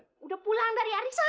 tidak ada yang berani ariesan